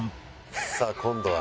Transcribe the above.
さあ今度は